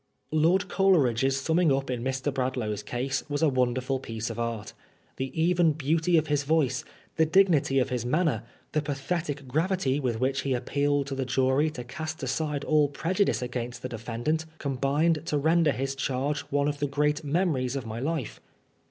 Lord Coleridge's summing up in Mr. Bradlaugh's case was a wonderful piece of art. The even beauty of his voice, the dignity of his manner, the pathetic gravity with which he appealed to the jury to cast aside all prejudice against the defendant, combined to 156 PBI80NEB FOB BLASPHEMT. render his charge one of the great memories of my life.